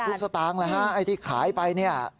จดทุกบาททุกสตางค์เลยฮะไอ้ที่ขายไป